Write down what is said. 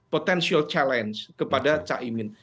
potential challenge kepada caimin